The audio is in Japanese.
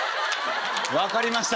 分かりましたか。